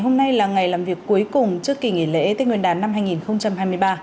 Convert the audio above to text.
hôm nay là ngày làm việc cuối cùng trước kỳ nghỉ lễ tết nguyên đán năm hai nghìn hai mươi ba